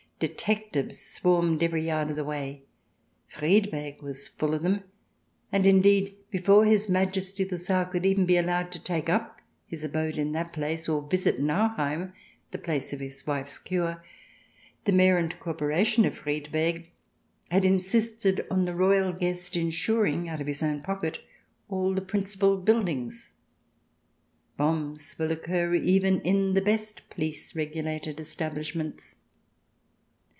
Detectives swarmed every yard of the way ; Friedberg was full of them. And, indeed, before His Majesty the Tsar could even be allowed to take up his abode in that place or visit Nauheim, the place of his wife's cure, the mayor and corporation of Friedberg had insisted on the royal guest insuring, out of his own pocket, all the principal buildings ! Bombs will occur even in the best police regulated establish ments.